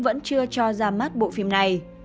vẫn chưa cho ra mắt bộ phim này